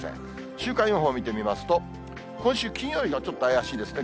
週間予報見てみますと、今週金曜日がちょっと怪しいですね。